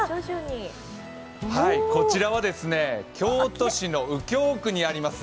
こちらは京都市の右京区にあります